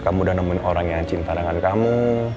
kamu udah nemuin orang yang cinta dengan kamu